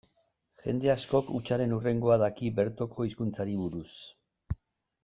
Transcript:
Jende askok hutsaren hurrengoa daki bertoko hizkuntzari buruz.